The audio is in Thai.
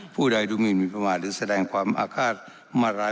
ผู้ใดดูหมินประมาทหรือแสดงความอาฆาตมาร้าย